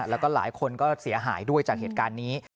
แล้วก็หลายคนก็เสียหายด้วยจากเหตุการณ์นี้